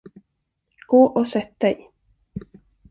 Gå och sätt dig!